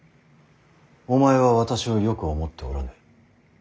お前は私をよく思っておらぬ。